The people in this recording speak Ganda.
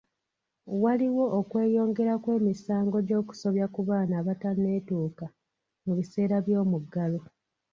Waliwo okweyongera kw'emisango gy'okusobya ku baana abataneetuuka mu biseera by'omuggalo.